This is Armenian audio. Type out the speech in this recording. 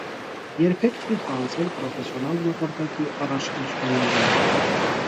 Երբեք չի խաղացել պրոֆեսիոնալ մակարդակի առաջնություններում։